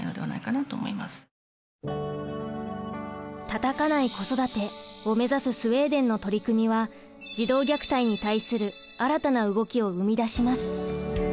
「たたかない子育て」を目指すスウェーデンの取り組みは児童虐待に対する新たな動きを生み出します。